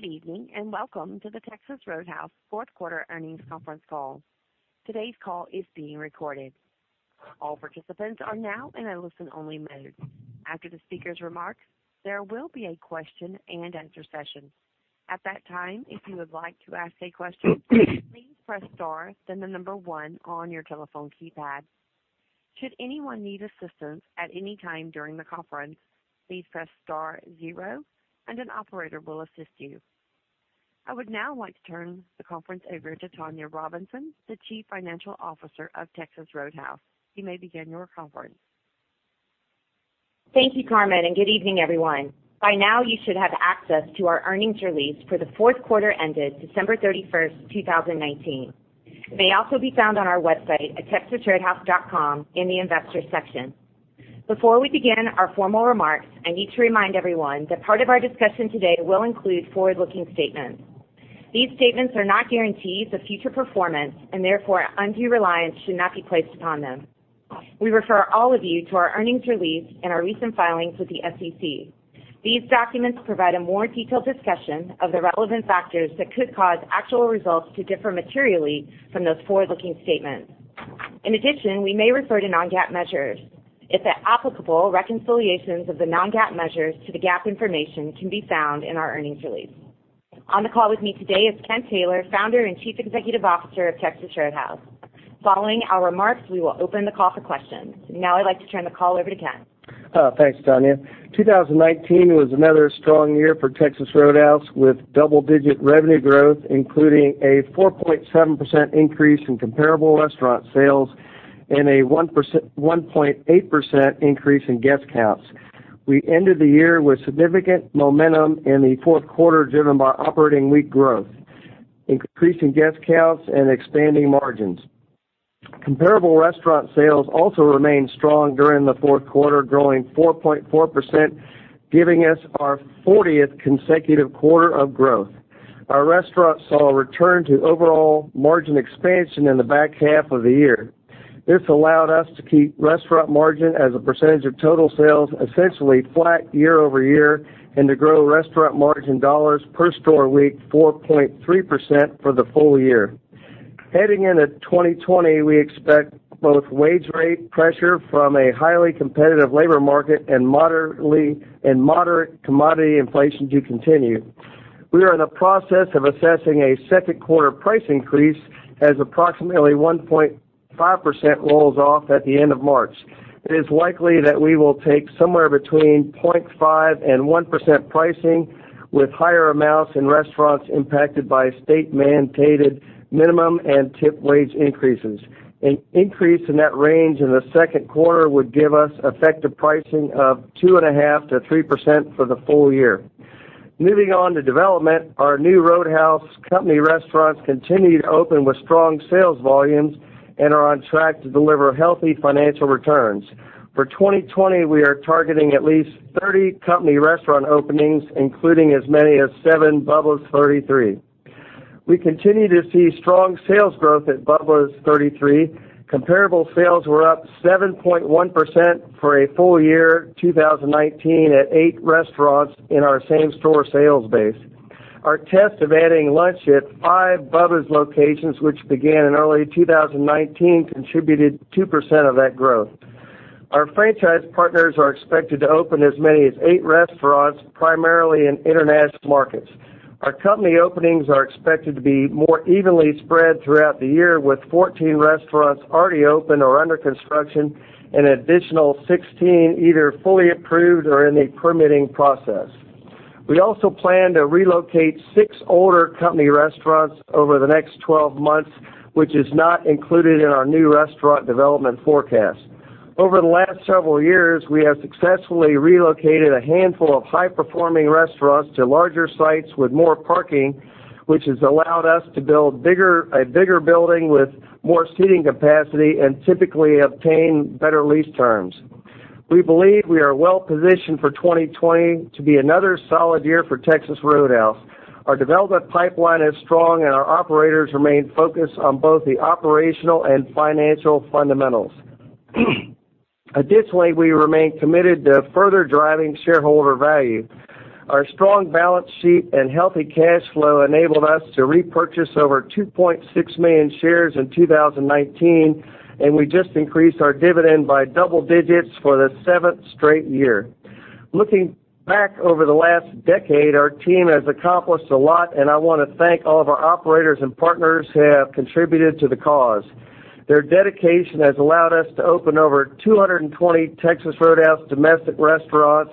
Good evening, welcome to the Texas Roadhouse fourth quarter earnings conference call. Today's call is being recorded. All participants are now in a listen-only mode. After the speakers' remarks, there will be a question-and-answer session. At that time, if you would like to ask a question, please press star then the number one on your telephone keypad. Should anyone need assistance at any time during the conference, please press star zero and an operator will assist you. I would now like to turn the conference over to Tonya Robinson, the Chief Financial Officer of Texas Roadhouse. You may begin your conference. Thank you, Carmen, and good evening, everyone. By now you should have access to our earnings release for the fourth quarter ended December 31st, 2019. It may also be found on our website at texasroadhouse.com in the Investors section. Before we begin our formal remarks, I need to remind everyone that part of our discussion today will include forward-looking statements. These statements are not guarantees of future performance, and therefore undue reliance should not be placed upon them. We refer all of you to our earnings release and our recent filings with the SEC. These documents provide a more detailed discussion of the relevant factors that could cause actual results to differ materially from those forward-looking statements. In addition, we may refer to non-GAAP measures. If applicable, reconciliations of the non-GAAP measures to the GAAP information can be found in our earnings release. On the call with me today is Kent Taylor, Founder and Chief Executive Officer of Texas Roadhouse. Following our remarks, we will open the call for questions. Now I'd like to turn the call over to Kent. Thanks, Tonya. 2019 was another strong year for Texas Roadhouse, with double-digit revenue growth, including a 4.7% increase in comparable restaurant sales and a 1.8% increase in guest counts. We ended the year with significant momentum in the fourth quarter, driven by operating week growth, increasing guest counts and expanding margins. Comparable restaurant sales also remained strong during the fourth quarter, growing 4.4%, giving us our 40th consecutive quarter of growth. Our restaurants saw a return to overall margin expansion in the back half of the year. This allowed us to keep restaurant margin as a percentage of total sales essentially flat year-over-year and to grow restaurant margin dollars per store week 4.3% for the full year. Heading into 2020, we expect both wage rate pressure from a highly competitive labor market and moderate commodity inflation to continue. We are in the process of assessing a second quarter price increase as approximately 1.5% rolls off at the end of March. It is likely that we will take somewhere between 0.5% and 1% pricing, with higher amounts in restaurants impacted by state-mandated minimum and tip wage increases. An increase in that range in the second quarter would give us effective pricing of 2.5%-3% for the full year. Moving on to development, our new Roadhouse company restaurants continue to open with strong sales volumes and are on track to deliver healthy financial returns. For 2020, we are targeting at least 30 company restaurant openings, including as many as seven Bubba's 33. We continue to see strong sales growth at Bubba's 33. Comparable sales were up 7.1% for a full year 2019 at eight restaurants in our same-store sales base. Our test of adding lunch at five Bubba's locations, which began in early 2019, contributed 2% of that growth. Our franchise partners are expected to open as many as eight restaurants, primarily in international markets. Our company openings are expected to be more evenly spread throughout the year, with 14 restaurants already open or under construction and an additional 16 either fully approved or in the permitting process. We also plan to relocate six older company restaurants over the next 12 months, which is not included in our new restaurant development forecast. Over the last several years, we have successfully relocated a handful of high-performing restaurants to larger sites with more parking, which has allowed us to build a bigger building with more seating capacity and typically obtain better lease terms. We believe we are well positioned for 2020 to be another solid year for Texas Roadhouse. Our development pipeline is strong, and our operators remain focused on both the operational and financial fundamentals. Additionally, we remain committed to further driving shareholder value. Our strong balance sheet and healthy cash flow enabled us to repurchase over 2.6 million shares in 2019, and we just increased our dividend by double digits for the seventh straight year. Looking back over the last decade, our team has accomplished a lot, and I want to thank all of our operators and partners who have contributed to the cause. Their dedication has allowed us to open over 220 Texas Roadhouse domestic restaurants,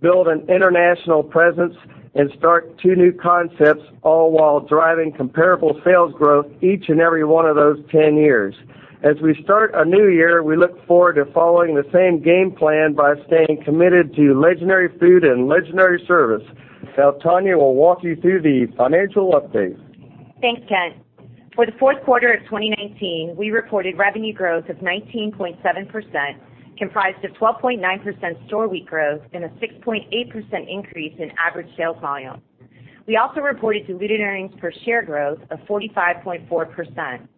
build an international presence, and start two new concepts, all while driving comparable sales growth each and every one of those 10 years. As we start a new year, we look forward to following the same game plan by staying committed to legendary food and legendary service. Now Tonya will walk you through the financial update. Thanks, Kent. For the fourth quarter of 2019, we reported revenue growth of 19.7%, comprised of 12.9% store week growth and a 6.8% increase in average sales volume. We also reported diluted earnings per share growth of 45.4%.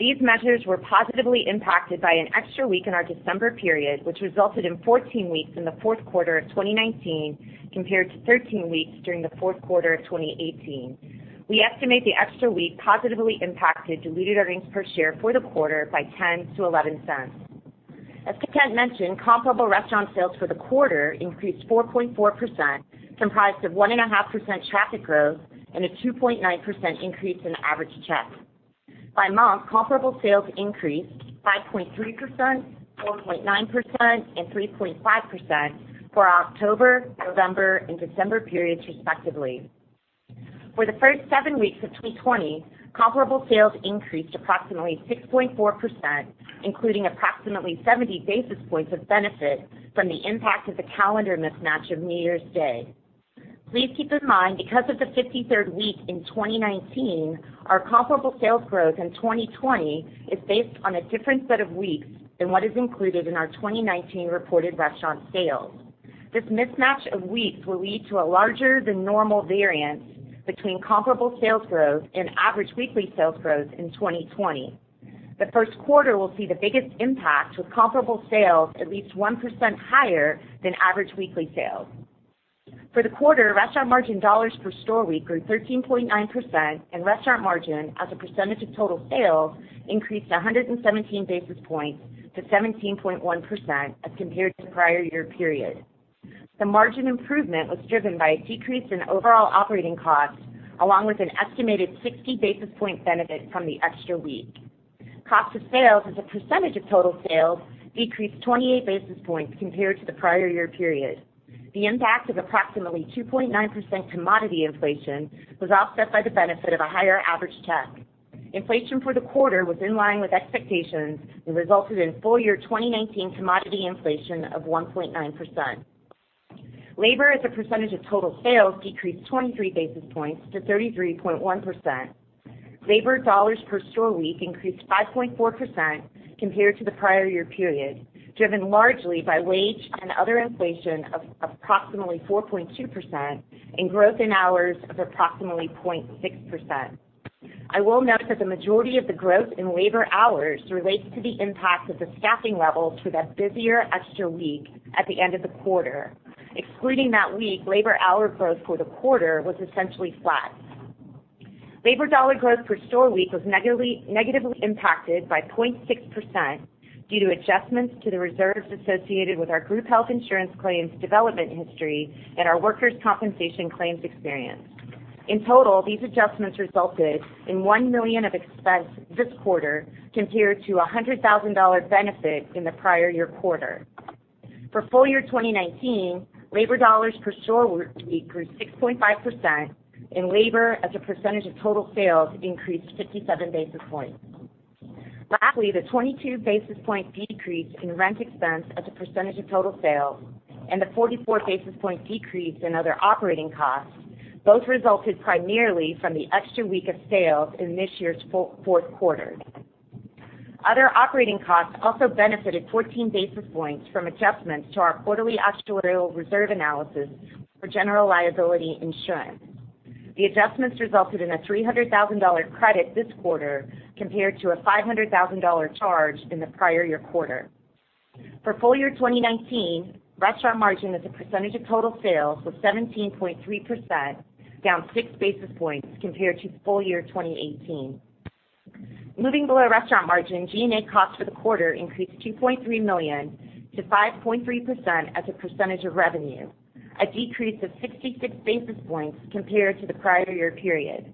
These measures were positively impacted by an extra week in our December period, which resulted in 14 weeks in the fourth quarter of 2019, compared to 13 weeks during the fourth quarter of 2018. We estimate the extra week positively impacted diluted earnings per share for the quarter by $0.10-$0.11. As Kent mentioned, comparable restaurant sales for the quarter increased 4.4%, comprised of 1.5% traffic growth and a 2.9% increase in average check. By month, comparable sales increased 5.3%, 4.9%, and 3.5% for our October, November, and December periods respectively. For the first seven weeks of 2020, comparable sales increased approximately 6.4%, including approximately 70 basis points of benefit from the impact of the calendar mismatch of New Year's Day. Please keep in mind, because of the 53rd week in 2019, our comparable sales growth in 2020 is based on a different set of weeks than what is included in our 2019 reported restaurant sales. This mismatch of weeks will lead to a larger than normal variance between comparable sales growth and average weekly sales growth in 2020. The first quarter will see the biggest impact, with comparable sales at least 1% higher than average weekly sales. For the quarter, restaurant margin dollars per store week grew 13.9%, and restaurant margin as a percentage of total sales increased 117 basis points to 17.1% as compared to prior year period. The margin improvement was driven by a decrease in overall operating costs, along with an estimated 60 basis point benefit from the extra week. Cost of sales as a percentage of total sales decreased 28 basis points compared to the prior year period. The impact of approximately 2.9% commodity inflation was offset by the benefit of a higher average check. Inflation for the quarter was in line with expectations and resulted in full year 2019 commodity inflation of 1.9%. Labor as a percentage of total sales decreased 23 basis points to 33.1%. Labor dollars per store week increased 5.4% compared to the prior year period, driven largely by wage and other inflation of approximately 4.2% and growth in hours of approximately 0.6%. I will note that the majority of the growth in labor hours relates to the impact of the staffing levels for that busier extra week at the end of the quarter. Excluding that week, labor hour growth for the quarter was essentially flat. Labor dollar growth per store week was negatively impacted by 0.6% due to adjustments to the reserves associated with our group health insurance claims development history and our workers' compensation claims experience. In total, these adjustments resulted in $1 million of expense this quarter, compared to $100,000 benefit in the prior year quarter. For full year 2019, labor dollars per store week grew 6.5%, and labor as a percentage of total sales increased 57 basis points. Lastly, the 22 basis point decrease in rent expense as a percentage of total sales and the 44 basis point decrease in other operating costs both resulted primarily from the extra week of sales in this year's fourth quarter. Other operating costs also benefited 14 basis points from adjustments to our quarterly actuarial reserve analysis for general liability insurance. The adjustments resulted in a $300,000 credit this quarter compared to a $500,000 charge in the prior year quarter. For full year 2019, restaurant margin as a percentage of total sales was 17.3%, down six basis points compared to full year 2018. Moving below restaurant margin, G&A costs for the quarter increased $2.3 million to 5.3% as a percentage of revenue, a decrease of 66 basis points compared to the prior year period.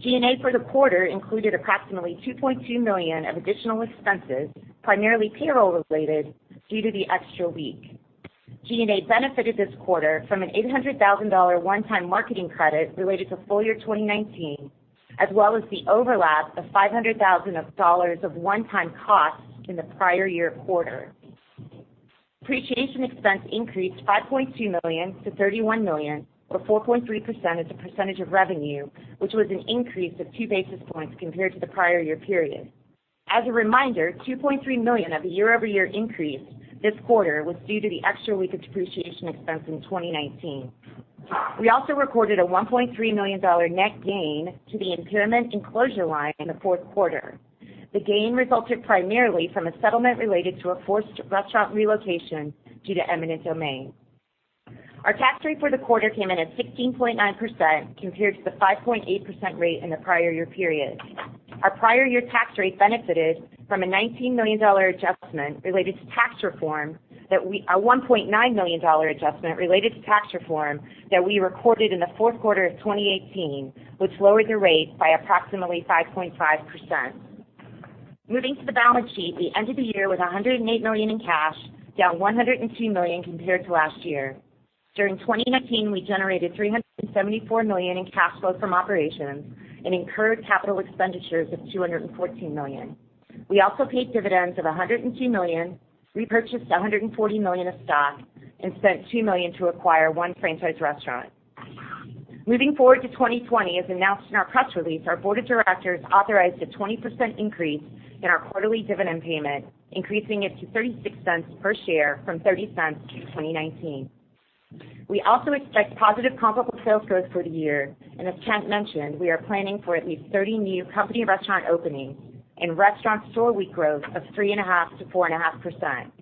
G&A for the quarter included approximately $2.2 million of additional expenses, primarily payroll related, due to the extra week. G&A benefited this quarter from an $800,000 one-time marketing credit related to full year 2019, as well as the overlap of $500,000 of one-time costs in the prior year quarter. Depreciation expense increased $5.2 million to $31 million, or 4.3% as a percentage of revenue, which was an increase of 2 basis points compared to the prior year period. As a reminder, $2.3 million of the year-over-year increase this quarter was due to the extra week of depreciation expense in 2019. We also recorded a $1.3 million net gain to the impairment and closure line in the fourth quarter. The gain resulted primarily from a settlement related to a forced restaurant relocation due to eminent domain. Our tax rate for the quarter came in at 16.9% compared to the 5.8% rate in the prior year period. Our prior year tax rate benefited from a $1.9 million adjustment related to tax reform that we recorded in the fourth quarter of 2018, which lowered the rate by approximately 5.5%. Moving to the balance sheet, we ended the year with $108 million in cash, down $102 million compared to last year. During 2019, we generated $374 million in cash flow from operations and incurred capital expenditures of $214 million. We also paid dividends of $102 million, repurchased $140 million of stock, and spent $2 million to acquire one franchise restaurant. Moving forward to 2020, as announced in our press release, our board of directors authorized a 20% increase in our quarterly dividend payment, increasing it to $0.36 per share from $0.30 in 2019. We also expect positive comparable sales growth for the year. As Kent mentioned, we are planning for at least 30 new company restaurant openings and restaurant store week growth of 3.5%-4.5%.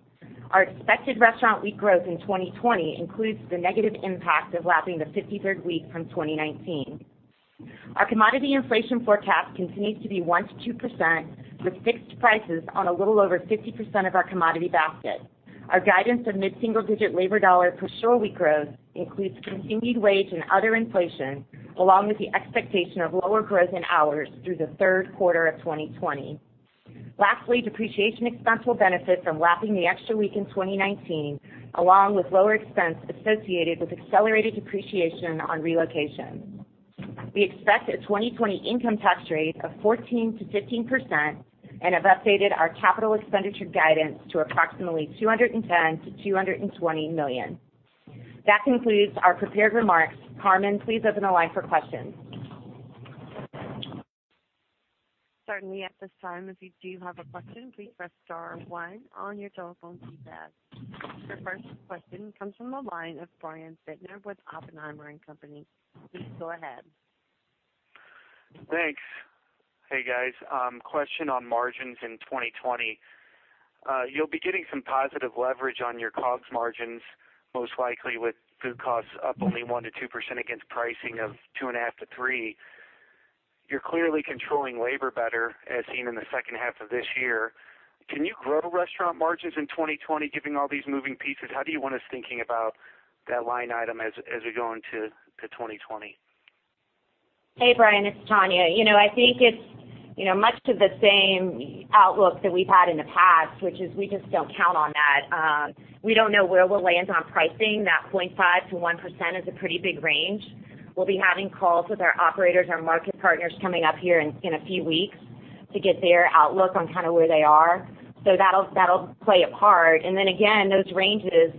Our expected restaurant week growth in 2020 includes the negative impact of lapping the 53rd week from 2019. Our commodity inflation forecast continues to be 1%-2%, with fixed prices on a little over 50% of our commodity basket. Our guidance of mid-single-digit labor dollar per store week growth includes continued wage and other inflation, along with the expectation of lower growth in hours through the third quarter of 2020. Lastly, depreciation expense will benefit from lapping the extra week in 2019, along with lower expense associated with accelerated depreciation on relocations. We expect a 2020 income tax rate of 14%-15% and have updated our capital expenditure guidance to approximately $210 million-$220 million. That concludes our prepared remarks. Carmen, please open the line for questions. Certainly. At this time, if you do have a question, please press star one on your telephone keypad. Your first question comes from the line of Brian Bittner with Oppenheimer & Co. Please go ahead. Thanks. Hey, guys. Question on margins in 2020. You'll be getting some positive leverage on your COGS margins, most likely with food costs up only 1%-2% against pricing of 2.5%-3%. You're clearly controlling labor better, as seen in the second half of this year. Can you grow restaurant margins in 2020, given all these moving pieces? How do you want us thinking about that line item as we go into 2020? Hey, Brian, it's Tonya. I think it's much of the same outlook that we've had in the past, which is we just don't count on that. We don't know where we'll land on pricing. That 0.5%-1% is a pretty big range. We'll be having calls with our operators and our market partners coming up here in a few weeks to get their outlook on where they are. That'll play a part. Then again, those ranges,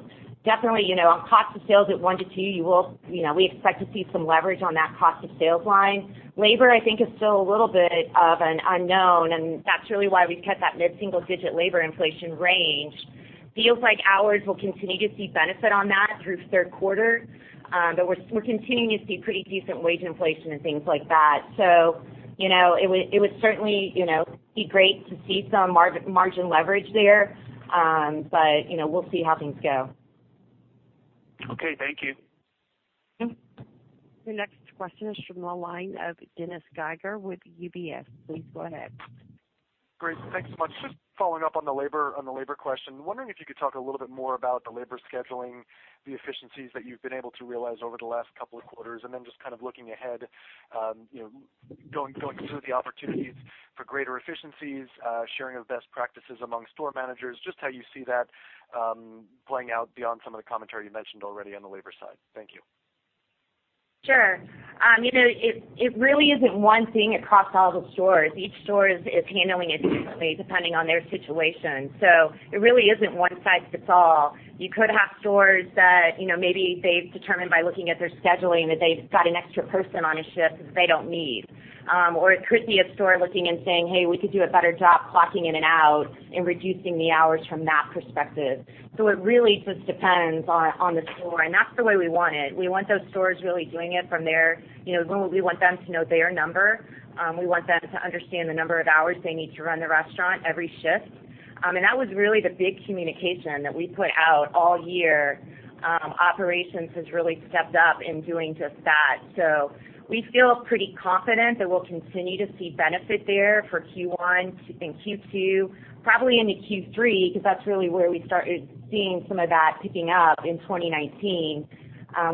definitely on cost of sales at 1%-2%, we expect to see some leverage on that cost of sales line. Labor, I think, is still a little bit of an unknown, and that's really why we've kept that mid-single-digit labor inflation range. Feels like ours will continue to see benefit on that through third quarter, but we're continuing to see pretty decent wage inflation and things like that. It would certainly be great to see some margin leverage there. We'll see how things go. Okay, thank you. Your next question is from the line of Dennis Geiger with UBS. Please go ahead. Great. Thanks so much. Just following up on the labor question. Wondering if you could talk a little bit more about the labor scheduling, the efficiencies that you've been able to realize over the last couple of quarters, and then just kind of looking ahead, going through the opportunities for greater efficiencies, sharing of best practices among store managers, just how you see that playing out beyond some of the commentary you mentioned already on the labor side. Thank you. Sure. It really isn't one thing across all the stores. Each store is handling it differently depending on their situation. It really isn't one size fits all. You could have stores that maybe they've determined by looking at their scheduling that they've got an extra person on a shift that they don't need. It could be a store looking and saying, "Hey, we could do a better job clocking in and out and reducing the hours from that perspective." It really just depends on the store, and that's the way we want it. We want those stores really doing it. We want them to know their number. We want them to understand the number of hours they need to run the restaurant every shift. That was really the big communication that we put out all year. Operations has really stepped up in doing just that. We feel pretty confident that we'll continue to see benefit there for Q1 and Q2, probably into Q3, because that's really where we started seeing some of that picking up in 2019.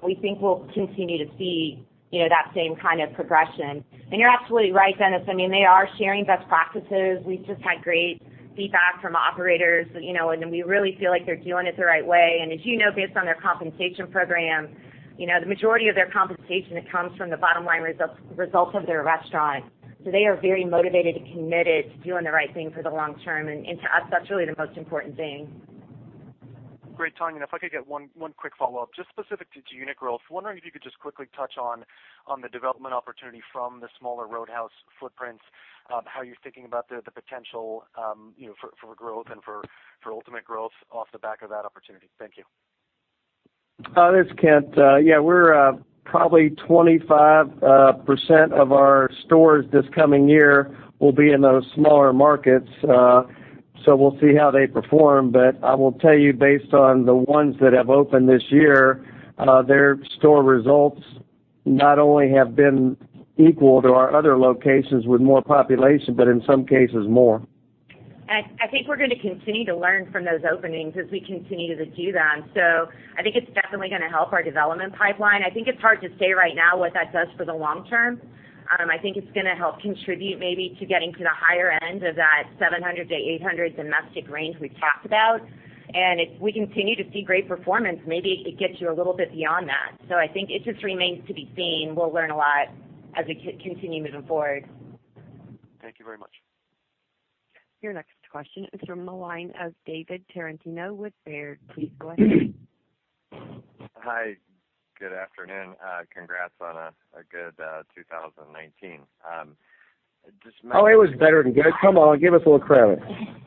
We think we'll continue to see that same kind of progression. You're absolutely right, Dennis. They are sharing best practices. We've just had great feedback from operators, and we really feel like they're doing it the right way. As you know, based on their compensation program, the majority of their compensation comes from the bottom line results of their restaurant. They are very motivated and committed to doing the right thing for the long term, and to us, that's really the most important thing. Great, Tonya. If I could get one quick follow-up, just specific to unit growth, wondering if you could just quickly touch on the development opportunity from the smaller Roadhouse footprints, how you're thinking about the potential for growth and for ultimate growth off the back of that opportunity. Thank you. This is Kent. Probably 25% of our stores this coming year will be in those smaller markets. We'll see how they perform. I will tell you, based on the ones that have opened this year, their store results not only have been equal to our other locations with more population, but in some cases, more. I think we're going to continue to learn from those openings as we continue to do them. I think it's definitely going to help our development pipeline. I think it's hard to say right now what that does for the long term. I think it's going to help contribute maybe to getting to the higher end of that 700-800 domestic range we've talked about. If we continue to see great performance, maybe it gets you a little bit beyond that. I think it just remains to be seen. We'll learn a lot as we continue moving forward. Thank you very much. Your next question is from the line of David Tarantino with Baird. Please go ahead. Good afternoon. Congrats on a good 2019. Oh, it was better than good. Come on, give us a little credit.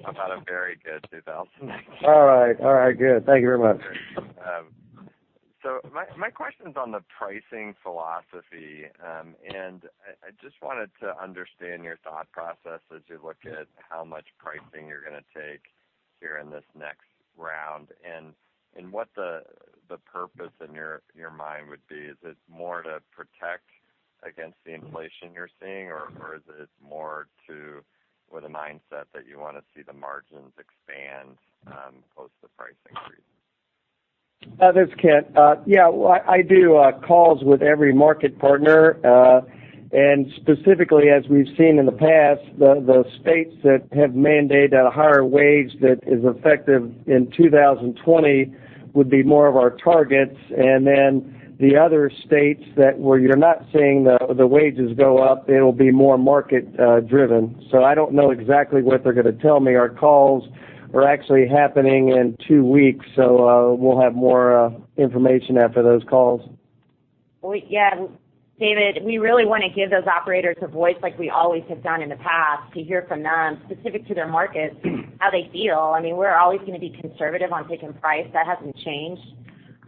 How about a very good 2019? All right. Good. Thank you very much. My question is on the pricing philosophy. I just wanted to understand your thought process as you look at how much pricing you're going to take here in this next round, and what the purpose in your mind would be. Is it more to protect against the inflation you're seeing, or is it more with a mindset that you want to see the margins expand post the pricing increases? This is Kent. Yeah. Well, I do calls with every market partner. Specifically, as we've seen in the past, the states that have mandated a higher wage that is effective in 2020 would be more of our targets. The other states where you're not seeing the wages go up, it'll be more market driven. I don't know exactly what they're going to tell me. Our calls are actually happening in two weeks, so we'll have more information after those calls. Yeah. David, we really want to give those operators a voice like we always have done in the past, to hear from them, specific to their markets, how they feel. We're always going to be conservative on taking price. That hasn't changed.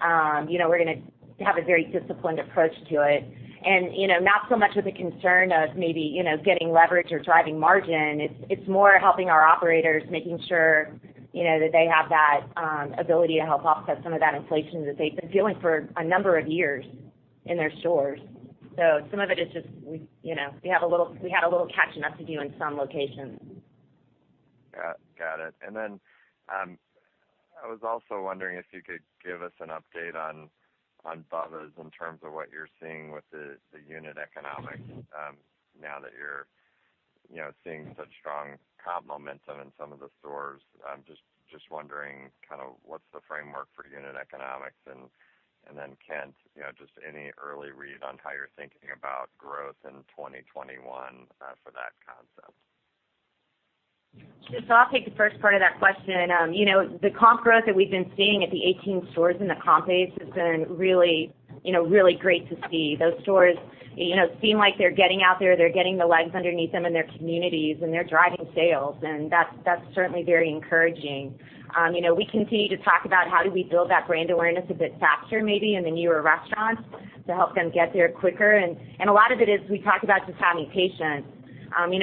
We're going to have a very disciplined approach to it. Not so much with the concern of maybe getting leverage or driving margin. It's more helping our operators, making sure that they have that ability to help offset some of that inflation that they've been feeling for a number of years in their stores. Some of it is just, we had a little catching up to do in some locations. Got it. I was also wondering if you could give us an update on Bubba's in terms of what you're seeing with the unit economics now that you're seeing such strong comp momentum in some of the stores. Just wondering what's the framework for unit economics, and then Kent, just any early read on how you're thinking about growth in 2021 for that concept. I'll take the first part of that question. The comp growth that we've been seeing at the 18 stores in the comp base has been really great to see. Those stores seem like they're getting out there, they're getting the legs underneath them in their communities, and they're driving sales, and that's certainly very encouraging. We continue to talk about how do we build that brand awareness a bit faster, maybe in the newer restaurants to help them get there quicker. A lot of it is, we talk about just having patience.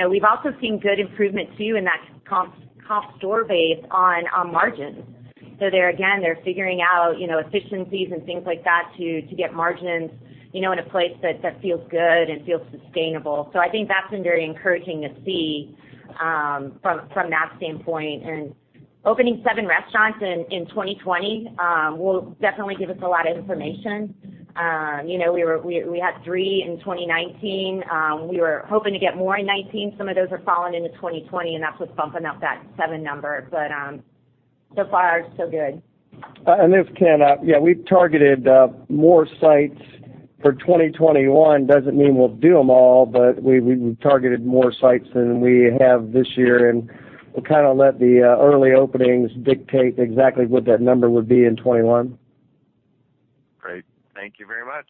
We've also seen good improvement, too, in that comp store base on margins. There again, they're figuring out efficiencies and things like that to get margins in a place that feels good and feels sustainable. I think that's been very encouraging to see from that standpoint. Opening seven restaurants in 2020 will definitely give us a lot of information. We had three in 2019. We were hoping to get more in 2019. Some of those are falling into 2020, and that's what's bumping up that seven number. So far, so good. This is Kent. Yeah, we've targeted more sites for 2021. Doesn't mean we'll do them all, but we've targeted more sites than we have this year, and we'll let the early openings dictate exactly what that number would be in 2021. Great. Thank you very much.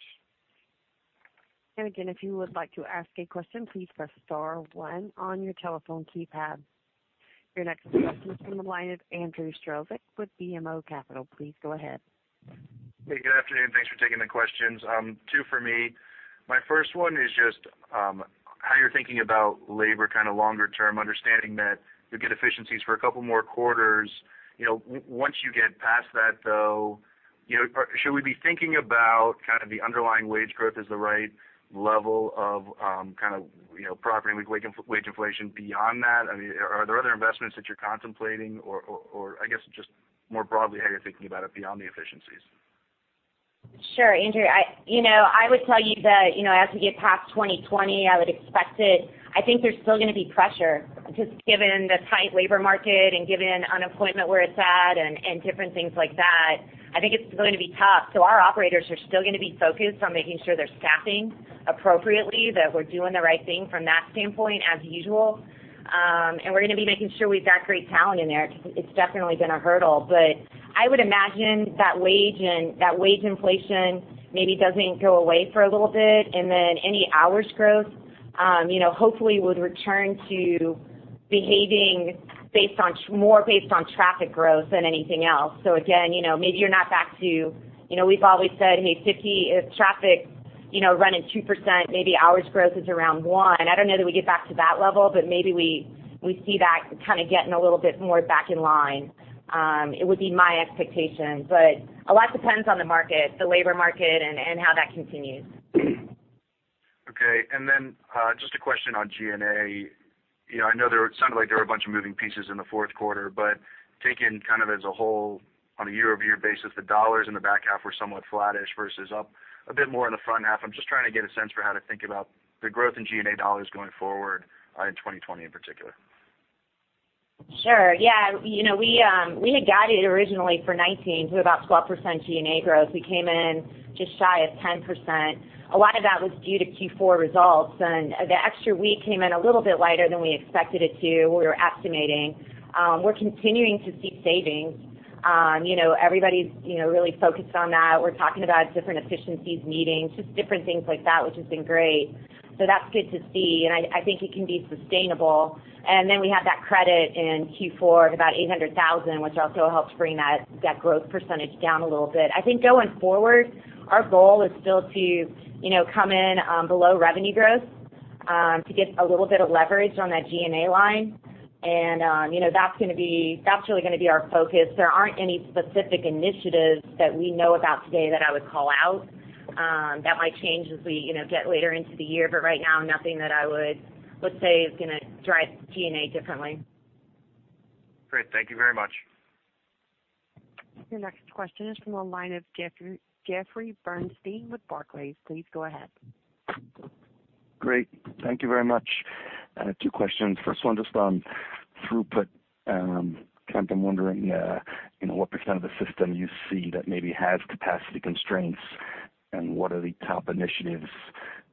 Again, if you would like to ask a question, please press star one on your telephone keypad. Your next question on the line is Andrew Strelzik with BMO Capital. Please go ahead. Hey, good afternoon. Thanks for taking the questions. Two for me. My first one is just how you're thinking about labor longer term, understanding that you'll get efficiencies for a couple more quarters. Once you get past that, though, should we be thinking about the underlying wage growth as the right level of properly wage inflation beyond that? Are there other investments that you're contemplating or, just more broadly, how you're thinking about it beyond the efficiencies? Sure, Andrew. I would tell you that as we get past 2020, I would expect it. I think there's still going to be pressure, just given the tight labor market and given unemployment where it's at and different things like that. I think it's going to be tough. Our operators are still going to be focused on making sure they're staffing appropriately, that we're doing the right thing from that standpoint as usual. We're going to be making sure we've got great talent in there, because it's definitely been a hurdle. I would imagine that wage inflation maybe doesn't go away for a little bit, any hours growth hopefully would return to behaving more based on traffic growth than anything else. Again, maybe you're not back to, we've always said, "Hey, if traffic running 2%, maybe hours growth is around one." I don't know that we get back to that level, but maybe we see that getting a little bit more back in line, would be my expectation. A lot depends on the market, the labor market, and how that continues. Okay. Just a question on G&A. I know it sounded like there were a bunch of moving pieces in the fourth quarter, but taken as a whole on a year-over-year basis, the dollars in the back half were somewhat flattish versus up a bit more in the front half. I'm just trying to get a sense for how to think about the growth in G&A dollars going forward in 2020 in particular. Sure. Yeah, we had guided originally for 2019 to about 12% G&A growth. We came in just shy of 10%. A lot of that was due to Q4 results, and the extra week came in a little bit lighter than we expected it to. We were estimating. We're continuing to seek savings. Everybody's really focused on that. We're talking about different efficiencies, meetings, just different things like that, which has been great. That's good to see, and I think it can be sustainable. We have that credit in Q4 of about $800,000, which also helps bring that growth percentage down a little bit. I think going forward, our goal is still to come in below revenue growth, to get a little bit of leverage on that G&A line. That's really going to be our focus. There aren't any specific initiatives that we know about today that I would call out. That might change as we get later into the year, but right now, nothing that I would say is going to drive G&A differently. Great. Thank you very much. Your next question is from the line of Jeffrey Bernstein with Barclays. Please go ahead. Great. Thank you very much. Two questions. First one, just on throughput. Kent, I'm wondering, what % of the system you see that maybe has capacity constraints, and what are the top initiatives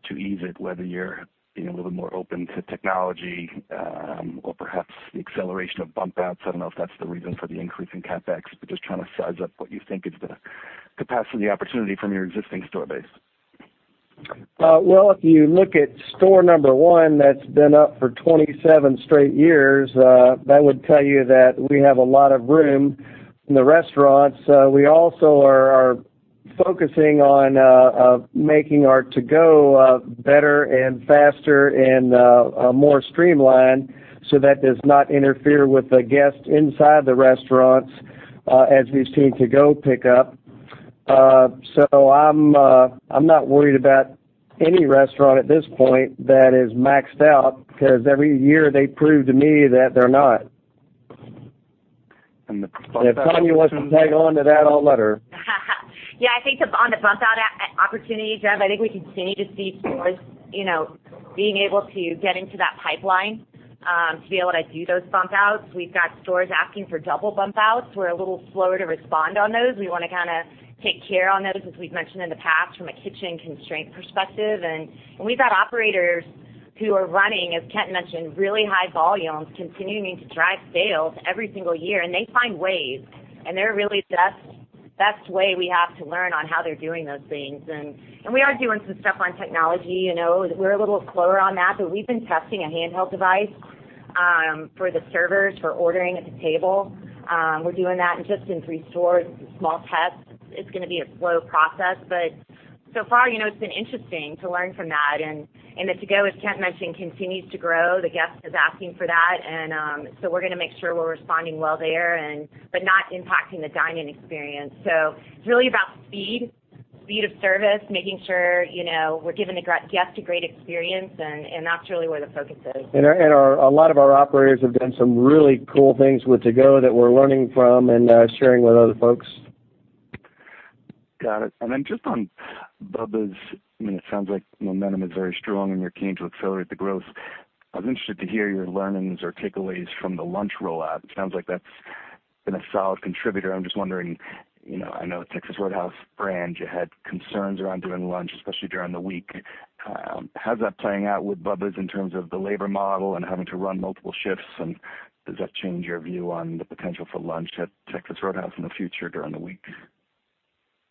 to ease it, whether you're being a little more open to technology, or perhaps the acceleration of bump outs. I don't know if that's the reason for the increase in CapEx, but just trying to size up what you think is the capacity opportunity from your existing store base. Well, if you look at store number one, that's been up for 27 straight years, that would tell you that we have a lot of room in the restaurants. We also are focusing on making our to-go better and faster and more streamlined so that does not interfere with the guests inside the restaurants as we've seen to-go pick up. I'm not worried about any restaurant at this point that is maxed out, because every year they prove to me that they're not. And the bump out- If Tonya wants to tag on to that, I'll let her. Yeah, I think on the bump-out opportunity, Jeff, I think we continue to see stores being able to get into that pipeline, to be able to do those bump outs. We've got stores asking for double bump outs. We're a little slower to respond on those. We want to kind of take care on those, as we've mentioned in the past from a kitchen constraint perspective. We've got operators who are running, as Kent mentioned, really high volumes, continuing to drive sales every single year, and they find ways, and they're really the best way we have to learn on how they're doing those things. We are doing some stuff on technology. We're a little slower on that, but we've been testing a handheld device for the servers for ordering at the table. We're doing that just in three stores, small tests. It's going to be a slow process, so far, it's been interesting to learn from that. The to-go, as Kent mentioned, continues to grow. The guest is asking for that, we're going to make sure we're responding well there, but not impacting the dine-in experience. It's really about speed of service, making sure we're giving the guest a great experience, and that's really where the focus is. A lot of our operators have done some really cool things with to-go that we're learning from and sharing with other folks. Got it. Then just on Bubba's, it sounds like momentum is very strong and you're keen to accelerate the growth. I was interested to hear your learnings or takeaways from the lunch rollout. It sounds like that's been a solid contributor. I'm just wondering, I know at Texas Roadhouse brand, you had concerns around doing lunch, especially during the week. How's that playing out with Bubba's in terms of the labor model and having to run multiple shifts, and does that change your view on the potential for lunch at Texas Roadhouse in the future during the week?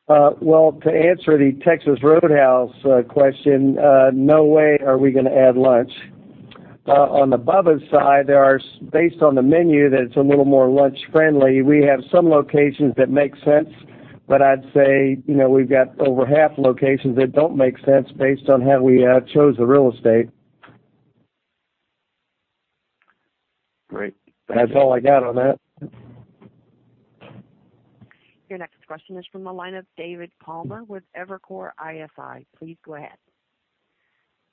Well, to answer the Texas Roadhouse question, no way are we going to add lunch. On the Bubba's side, based on the menu that's a little more lunch friendly, we have some locations that make sense, but I'd say we've got over half the locations that don't make sense based on how we chose the real estate. Great. Thank you. That's all I got on that. Your next question is from the line of David Palmer with Evercore ISI. Please go ahead.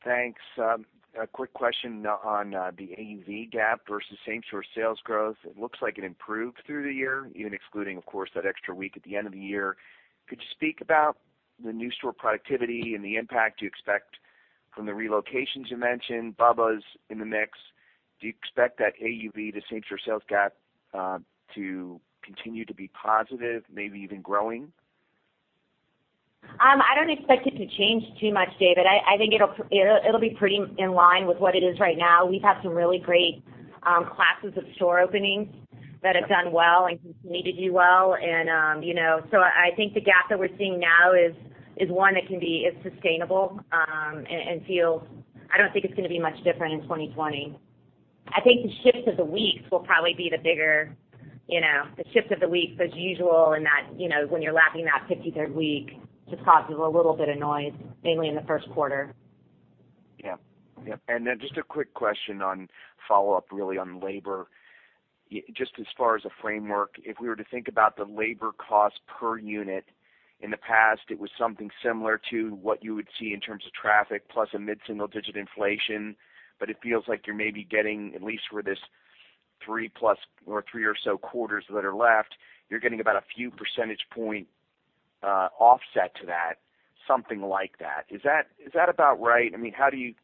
Thanks. A quick question on the AUV gap versus same-store sales growth. It looks like it improved through the year, even excluding, of course, that extra week at the end of the year. Could you speak about the new store productivity and the impact you expect from the relocations you mentioned, Bubba's in the mix. Do you expect that AUV to same-store sales gap to continue to be positive, maybe even growing? I don't expect it to change too much, David. I think it'll be pretty in line with what it is right now. We've had some really great classes of store openings that have done well and continue to do well. I think the gap that we're seeing now is one that can be sustainable, and I don't think it's going to be much different in 2020. I think the shifts of the weeks will probably be the shifts of the weeks as usual, and that when you're lapping that fifty-third week, just causes a little bit of noise, mainly in the first quarter. Yeah. Just a quick question on follow-up, really on labor. Just as far as a framework, if we were to think about the labor cost per unit, in the past, it was something similar to what you would see in terms of traffic plus a mid-single digit inflation, it feels like you're maybe getting, at least for this three or so quarters that are left, you're getting about a few percentage point offset to that, something like that. Is that about right? How do you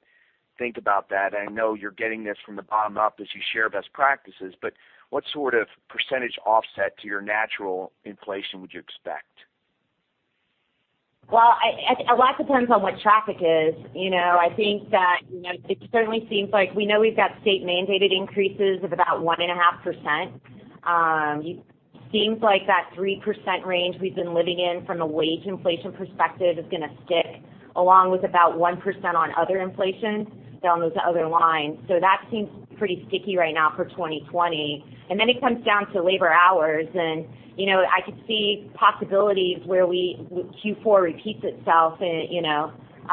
think about that? I know you're getting this from the bottom up as you share best practices, what sort of percentage offset to your natural inflation would you expect? A lot depends on what traffic is. I think that it certainly seems like we know we've got state-mandated increases of about 1.5%. Seems like that 3% range we've been living in from a wage inflation perspective is going to stick, along with about 1% on other inflation down those other lines. That seems pretty sticky right now for 2020. It comes down to labor hours, and I could see possibilities where Q4 repeats itself in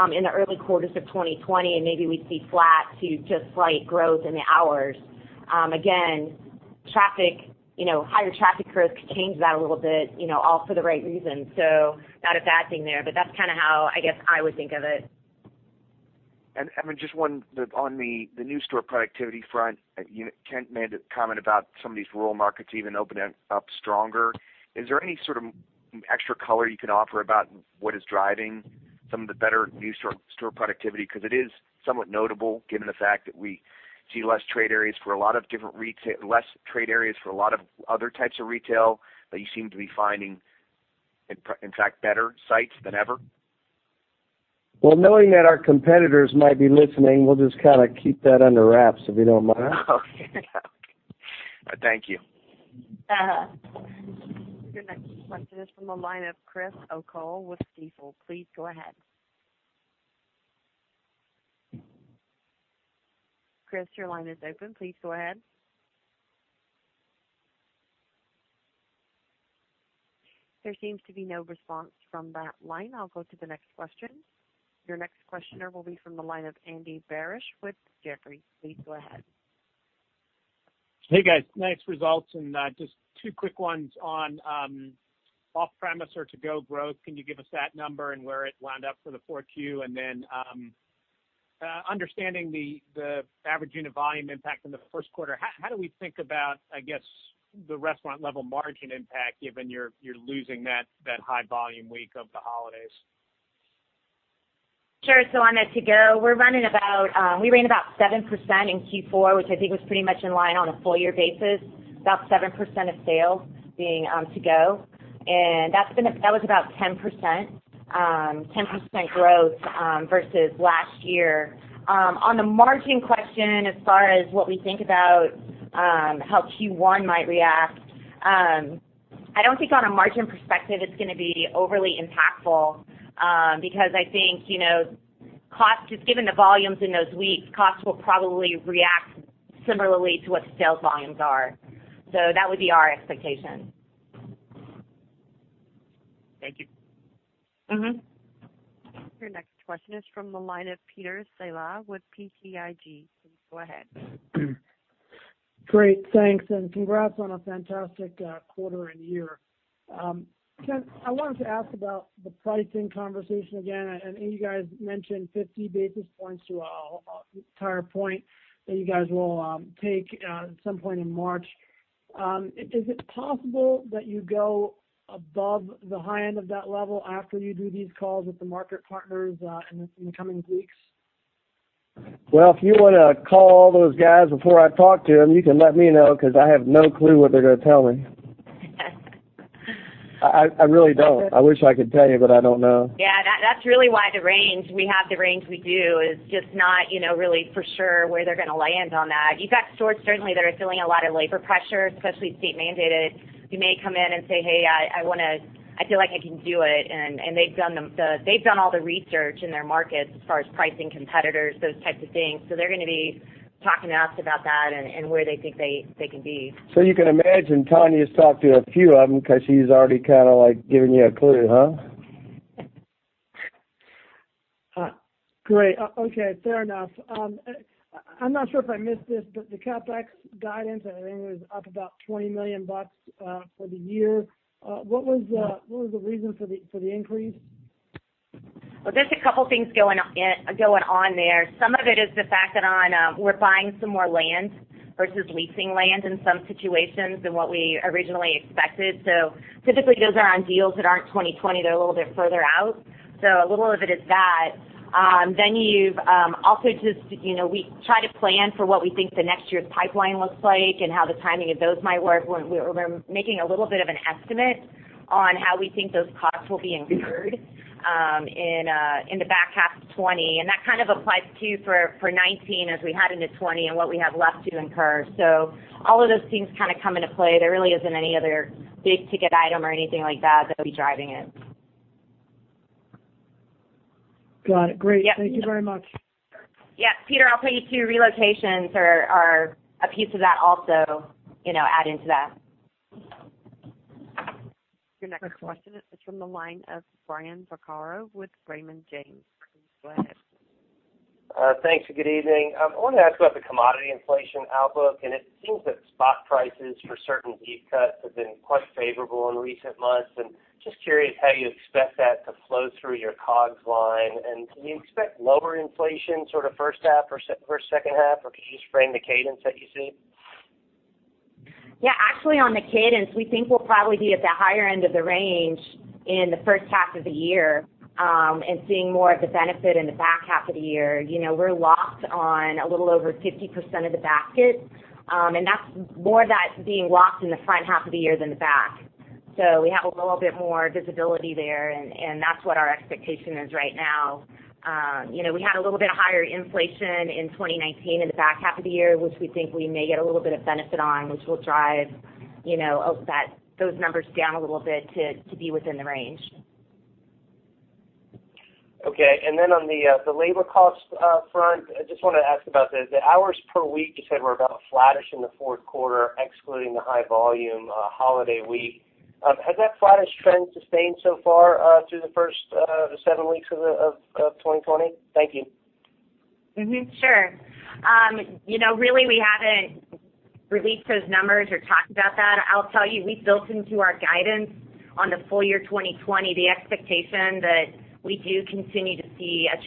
the early quarters of 2020, and maybe we'd see flat to just slight growth in the hours. Again, higher traffic growth could change that a little bit, all for the right reasons. Not a bad thing there, but that's how, I guess, I would think of it. Just one on the new store productivity front. Kent made a comment about some of these rural markets even opening up stronger. Is there any sort of extra color you can offer about what is driving some of the better new store productivity? It is somewhat notable given the fact that we see less trade areas for a lot of other types of retail, but you seem to be finding, in fact, better sites than ever. Well, knowing that our competitors might be listening, we'll just kind of keep that under wraps, if you don't mind. Okay. Thank you. Your next question is from the line of Chris O'Cull with Stifel. Please go ahead. Chris, your line is open. Please go ahead. There seems to be no response from that line. I'll go to the next question. Your next questioner will be from the line of Andy Barish with Jefferies. Please go ahead. Hey, guys. Nice results. Just two quick ones on off-premise or to-go growth. Can you give us that number and where it wound up for the 4Q? Understanding the average unit volume impact in the first quarter, how do we think about, I guess, the restaurant-level margin impact, given you're losing that high-volume week of the holidays? Sure. On the to-go, we ran about 7% in Q4, which I think was pretty much in line on a full-year basis, about 7% of sales being to-go. That was about 10% growth versus last year. On the margin question, as far as what we think about how Q1 might react, I don't think on a margin perspective, it's going to be overly impactful, because I think just given the volumes in those weeks, costs will probably react similarly to what the sales volumes are. That would be our expectation. Thank you. Your next question is from the line of Peter Saleh with BTIG. Please go ahead. Great. Thanks. Congrats on a fantastic quarter and year. Kent, I wanted to ask about the pricing conversation again, and you guys mentioned 50 basis points to an entire point that you guys will take at some point in March. Is it possible that you go above the high end of that level after you do these calls with the market partners in the coming weeks? Well, if you want to call all those guys before I talk to them, you can let me know, because I have no clue what they're going to tell me. I really don't. I wish I could tell you, but I don't know. Yeah. That's really why we have the range we do, is just not really for sure where they're going to land on that. You've got stores certainly that are feeling a lot of labor pressure, especially state mandated, who may come in and say, "Hey, I feel like I can do it." They've done all the research in their markets as far as pricing competitors, those types of things. They're going to be talking to us about that and where they think they can be. You can imagine Tonya's talked to a few of them because she's already kind of like giving you a clue, huh? Great. Okay, fair enough. I'm not sure if I missed this. The CapEx guidance, I think, was up about $20 million for the year. What was the reason for the increase? Well, there's a couple things going on there. Some of it is the fact that we're buying some more land versus leasing land in some situations than what we originally expected. Typically, those are on deals that aren't 2020. They're a little bit further out. A little of it is that. We try to plan for what we think the next year's pipeline looks like and how the timing of those might work. We're making a little bit of an estimate on how we think those costs will be incurred in the back half of 2020. That kind of applies, too, for 2019 as we head into 2020 and what we have left to incur. All of those things kind of come into play. There really isn't any other big-ticket item or anything like that that'll be driving it. Got it. Great. Yeah. Thank you very much. Yeah. Peter, I'll tell you, too, relocations are a piece of that also, add into that. Your next question is from the line of Brian Vaccaro with Raymond James. Please go ahead. Thanks, and good evening. I wanted to ask about the commodity inflation outlook, and it seems that spot prices for certain beef cuts have been quite favorable in recent months. I'm just curious how you expect that to flow through your COGS line. Do you expect lower inflation sort of first half versus second half, or could you just frame the cadence that you see? Actually on the cadence, we think we'll probably be at the higher end of the range in the first half of the year, and seeing more of the benefit in the back half of the year. We're locked on a little over 50% of the basket, and more of that's being locked in the front half of the year than the back. We have a little bit more visibility there, and that's what our expectation is right now. We had a little bit higher inflation in 2019 in the back half of the year, which we think we may get a little bit of benefit on, which will drive those numbers down a little bit to be within the range. Okay. On the labor cost front, I just want to ask about the hours per week, you said were about flattish in the fourth quarter, excluding the high volume holiday week. Has that flattish trend sustained so far through the first seven weeks of 2020? Thank you. Sure. Really, we haven't released those numbers or talked about that. I'll tell you, we've built into our guidance on the full year 2020, the expectation that we do continue to see a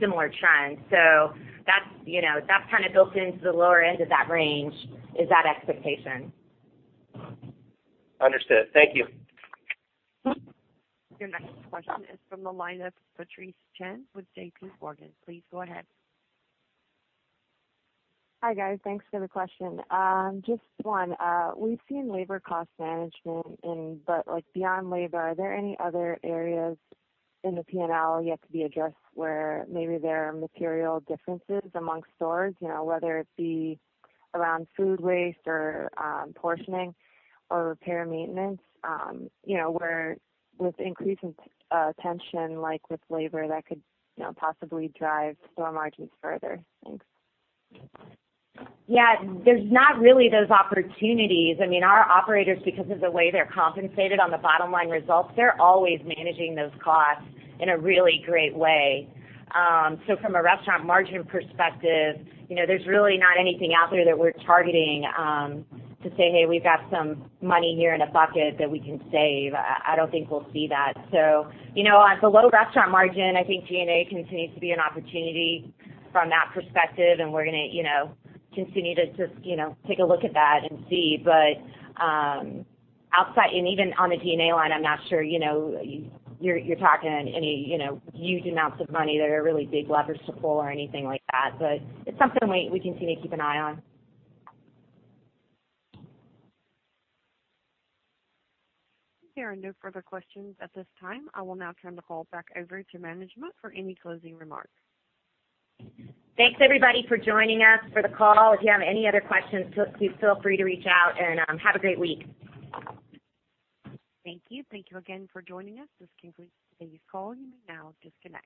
similar trend. That's kind of built into the lower end of that range, is that expectation. Understood. Thank you. Your next question is from the line of Patrice Chen with JPMorgan. Please go ahead. Hi, guys. Thanks for the question. Just one. We've seen labor cost management. Beyond labor, are there any other areas in the P&L yet to be addressed where maybe there are material differences amongst stores, whether it be around food waste or portioning or repair maintenance, where with increasing tension, like with labor, that could possibly drive store margins further? Thanks. Yeah. There's not really those opportunities. Our operators, because of the way they're compensated on the bottom line results, they're always managing those costs in a really great way. From a restaurant margin perspective, there's really not anything out there that we're targeting to say, "Hey, we've got some money here in a bucket that we can save." I don't think we'll see that. On the low restaurant margin, I think G&A continues to be an opportunity from that perspective, and we're going to continue to just take a look at that and see. Even on the G&A line, I'm not sure you're talking any huge amounts of money that are really big levers to pull or anything like that. It's something we continue to keep an eye on. There are no further questions at this time. I will now turn the call back over to management for any closing remarks. Thanks everybody for joining us for the call. If you have any other questions, please feel free to reach out and have a great week. Thank you. Thank you again for joining us. This concludes today's call. You may now disconnect.